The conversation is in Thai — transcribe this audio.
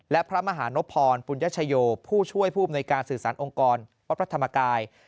และพระมหานพรภูนยชโยบผู้ช่วยจักรสื่อสารองค์กรวัฒนธรรมกาย